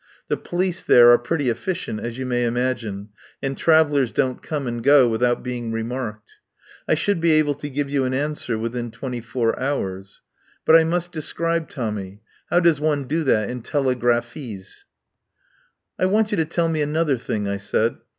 The police there are pretty effi cient, as you may imagine, and travellers don't come and go without being remarked. I should be able to give you an answer within twenty four hours. But I must describe Tom my. How does one do that in telegraphese?" "I want you to tell me another thing," I said.